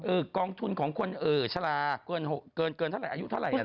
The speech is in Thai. กองทุนของคนชะลาเกินเท่าไหรอายุเท่าไหร่